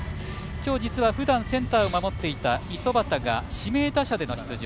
今日、ふだんセンターを守っていた五十幡が指名打者での出場。